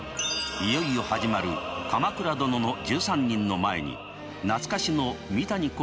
いよいよ始まる「鎌倉殿の１３人」の前に懐かしの三谷幸喜作品をスペシャルで。